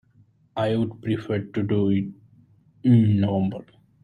I would prefer to do it in November.